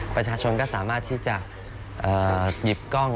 ประชาชนก็สามารถที่จะหยิบกล้อง